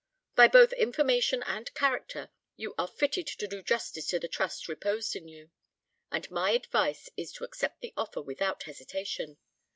By both information and character you are fitted to do justice to the trust reposed in you, and my advice is to accept the offer without hesitation.